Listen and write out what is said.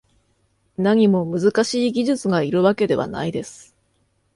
何も難しい技術がいるわけではないです